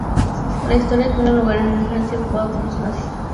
La historia tiene lugar en una Francia ocupada por los nazis.